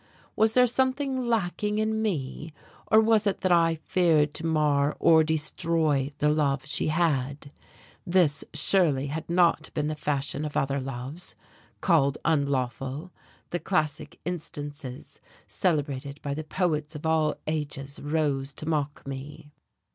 Was there something lacking in me? or was it that I feared to mar or destroy the love she had. This, surely, had not been the fashion of other loves, called unlawful, the classic instances celebrated by the poets of all ages rose to mock me.